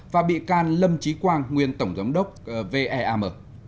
và bị can lâm trí quang nguyên tổng giám đốc veam